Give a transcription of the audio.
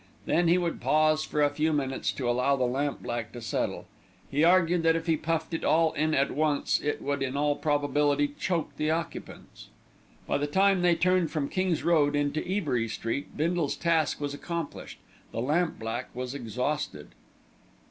Then he would pause for a few minutes to allow the lamp black to settle. He argued that if he puffed it all in at once, it would in all probability choke the occupants. By the time they turned from the King's Road into Ebury Street, Bindle's task was accomplished the lamp black was exhausted.